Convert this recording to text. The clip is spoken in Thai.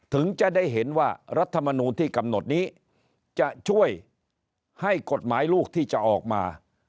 ถึงจะได้เห็นว่ารัฐมนูลที่กำหนดนี้จะช่วยให้กฎหมายลูกที่จะออกมา